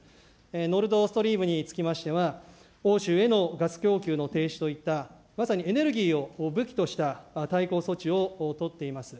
ノルドーストリームにつきましては、欧州へのガス供給の停止といった、まさにエネルギーを武器とした対抗措置を取っています。